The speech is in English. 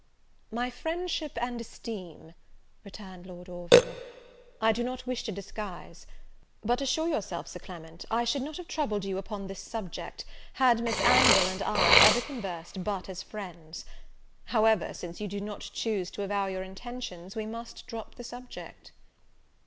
"My friendship and esteem," returned Lord Orville, "I do not wish to disguise; but assure yourself, Sir Clement, I should not have troubled you upon this subject, had Miss Anville and I ever conversed but as friends. However, since you do not choose to avow your intentions, we must drop the subject."